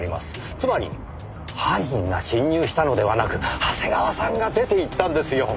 つまり犯人が侵入したのではなく長谷川さんが出ていったんですよ！